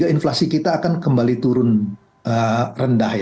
inflasi kita akan kembali turun rendah